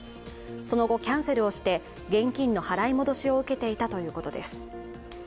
その後、キャンセルをして現金の払い戻しを受けていたということです。